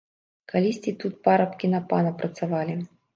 Калісьці тут парабкі на пана працавалі.